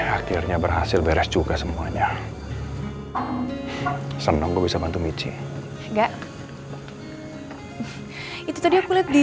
akhirnya berhasil beres juga semuanya senang bisa bantu michain enggak itu tadi aku lihat di